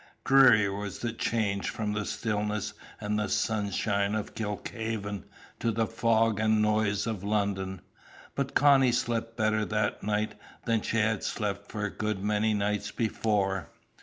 Dreary was the change from the stillness and sunshine of Kilkhaven to the fog and noise of London; but Connie slept better that night than she had slept for a good many nights before.